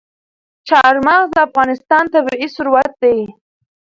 چار مغز د افغانستان طبعي ثروت دی.